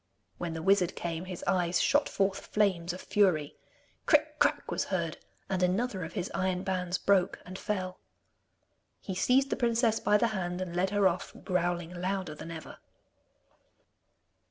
When the wizard came, his eyes shot forth flames of fury. Cric crac was heard, and another of his iron bands broke and fell. He seized the princess by the hand and led her off, growling louder than ever.